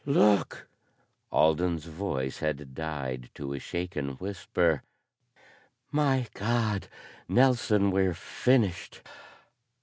"Look!" Alden's voice had died to a shaken whisper. "My God, Nelson, we're finished!